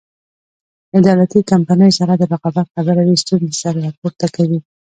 له دولتي کمپنیو سره د رقابت خبره وي ستونزې سر راپورته کوي.